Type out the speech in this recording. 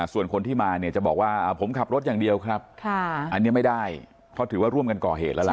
ส่วนคนที่มาเนี่ยจะบอกว่าผมขับรถอย่างเดียวครับอันนี้ไม่ได้เพราะถือว่าร่วมกันก่อเหตุแล้วล่ะ